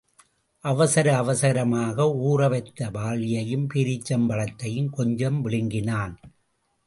அவசர அவசரமாக ஊற வைத்த பார்லியையும் பேரீச்சம் பழத்தையும் கொஞ்சம் விழுங்கினான்.